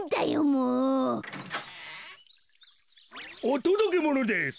おとどけものです。